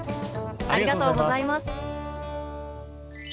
ありがとうございます。